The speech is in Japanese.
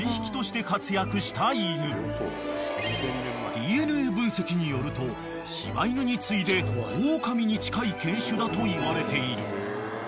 ［ＤＮＡ分析によると柴犬に次いでオオカミに近い犬種だといわれている］